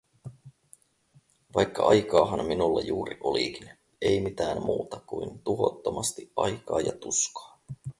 Vaikka aikaahan minulla juuri olikin… Ei mitään muuta kuin tuhottomasti aikaa ja tuskaa.